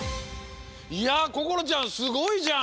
いやこころちゃんすごいじゃん！